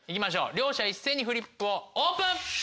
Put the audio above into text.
両者一斉にフリップをオープン！